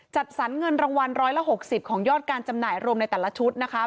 จัดสรรเงินรางวัล๑๖๐ของยอดการจำหน่ายรวมในแต่ละชุดนะคะ